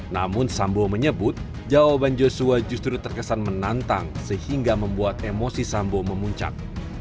namun sambo menyebut jawaban joshua justru terkesan menantang sehingga membuat emosi sambo memuncak